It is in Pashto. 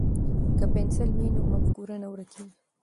که پنسل وي نو مفکوره نه ورکیږي.